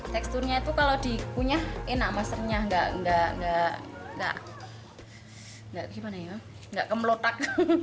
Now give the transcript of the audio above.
teksturnya itu kalau dipunya enak masernya enggak kemelotak